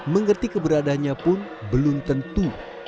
mengerti keberadaannya pun belum tentu